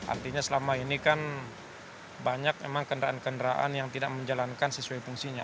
artinya selama ini kan banyak kendaraan kendaraan yang tidak menjalankan sesuai fungsinya